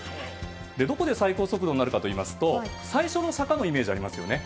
どこで最高速度になるかといいますと最初の坂のイメージありますよね。